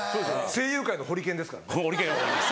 声優界のホリケンですからね。